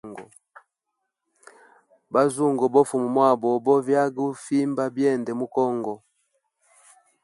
Bazungu bo fuma wabo bo vyaga ufimba byende mu congo.